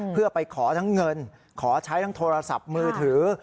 เพื่อไปขอทั้งเงินขอใช้ทั้งโทรศัพท์มือถือ